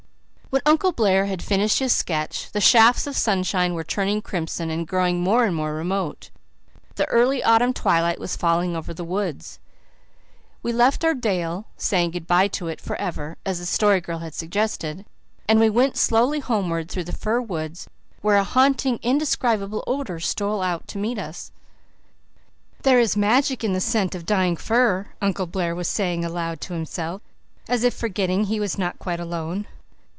When Uncle Blair had finished his sketch the shafts of sunshine were turning crimson and growing more and more remote; the early autumn twilight was falling over the woods. We left our dell, saying good bye to it for ever, as the Story Girl had suggested, and we went slowly homeward through the fir woods, where a haunting, indescribable odour stole out to meet us. "There is magic in the scent of dying fir," Uncle Blair was saying aloud to himself, as if forgetting he was not quite alone.